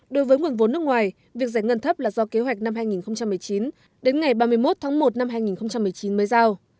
đối với nguồn vốn nước ngoài việc giải ngân thấp là do kế hoạch năm hai nghìn một mươi chín đến ngày ba mươi một tháng một năm hai nghìn một mươi chín mới giao